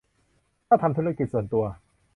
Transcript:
ถ้าทำธุรกิจส่วนตัว